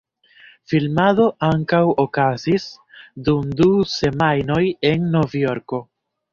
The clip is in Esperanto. Filmado ankaŭ okazis dum du semajnoj en Novjorko.